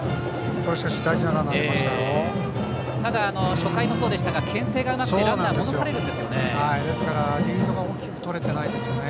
ただ、初回もそうでしたがけん制がうまくてランナーが戻されるんですよね。